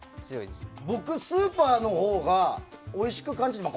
僕、スーパーのほうがおいしく感じたけど。